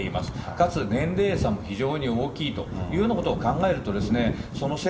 かつ、年齢差も非常に大きいというようなことを考えると、その接